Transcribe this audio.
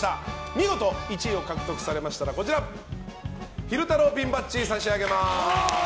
見事１位を獲得されましたら昼太郎ピンバッジを差し上げます。